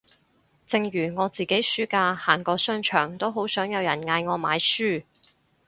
正如我自己暑假行過商場都好想有人嗌我買書